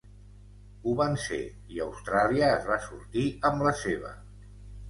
Ho van ser, i Austràlia es va sortir amb la seva.